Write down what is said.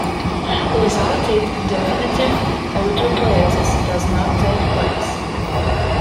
Without it, definitive erythropoiesis does not take place.